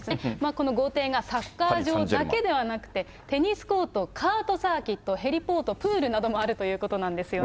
この豪邸がサッカー場だけではなくて、テニスコート、カートサーキット、ヘリポート、プールなどもあるということなんですよね。